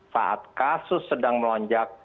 saat kasus sedang melonjak